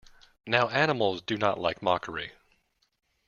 Now animals do not like mockery.